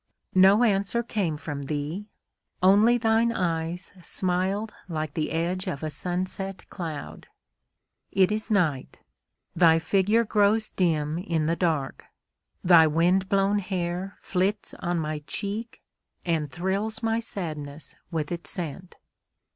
No answer came from thee, only thine eyes smiled like the edge of a sunset cloud. It is night. Thy figure grows dim in the dark. Thy wind blown hair flits on my cheek and thrills my sadness with its scent.